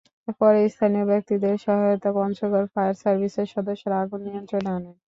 পরে স্থানীয় ব্যক্তিদের সহায়তায় পঞ্চগড় ফায়ার সার্ভিসের সদস্যরা আগুন নিয়ন্ত্রণে আনেন।